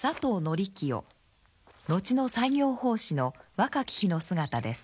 義清後の西行法師の若き日の姿です。